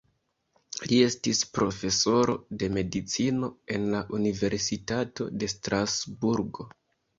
Li estis profesoro de medicino en la Universitato de Strasburgo.